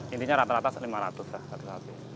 intinya rata rata lima ratus lah satu satu